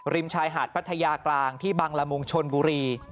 ชายหาดพัทยากลางที่บังละมุงชนบุรี